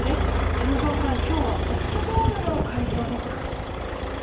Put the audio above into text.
修造さん、今日はソフトボールの会場ですか。